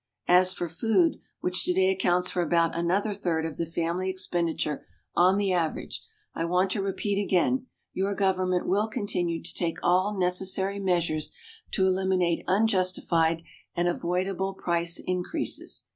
As for food, which today accounts for about another third of the family expenditure on the average, I want to repeat again: your government will continue to take all necessary measures to eliminate unjustified and avoidable price increases.